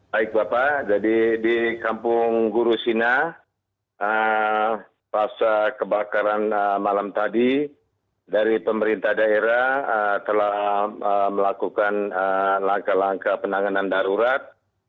baik bapak jadi di kampung gurusina pasca kebakaran malam tadi dari pemerintah daerah telah melakukan langkah langkah penanganan darurat